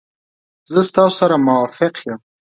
زه ستاسو سره موافق یم.